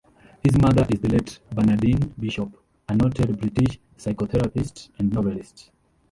His mother is the late Bernardine Bishop, a noted British psychotherapist and novelist.